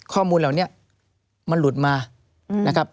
ข้อมูลเหล่านี้มันหลุดมานะครับ